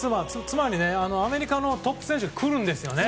つまり、アメリカのトップ選手が来るんですよね。